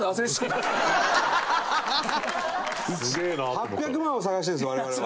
８００万を探してるんです我々は。